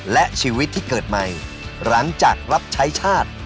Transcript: และชีวิตที่เกิดใหม่หลังจากรับใช้ชาติ